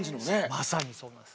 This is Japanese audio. まさにそうなんです。